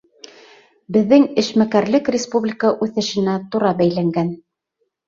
— Беҙҙең эшмәкәрлек республика үҫешенә тура бәйләнгән.